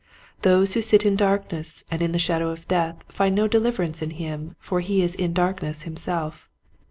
Those who sit in darkness and in the shadow of death find no deliverance in him for he is in darkness himself.